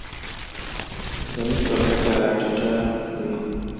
د مسو کچه راټېته وي.